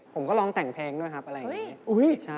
ผมก็ลองแต่งเพลงด้วยครับอะไรอย่างนี้